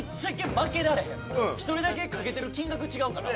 １人だけかけてる金額違うから。